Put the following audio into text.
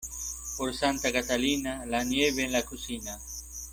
Por Santa Catalina, la nieve en la cocina.